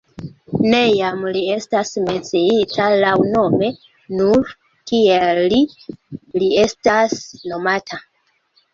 Neniam li estas menciita laŭnome, nur kiel “Li” li estas nomata.